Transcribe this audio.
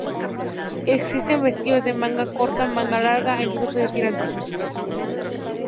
Existen vestidos de manga corta, manga larga e incluso, de tirantes.